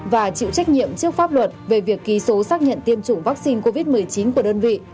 và chịu trách nhiệm trước pháp luật về việc ký số xác nhận tiêm chủng vaccine covid một mươi chín của đơn vị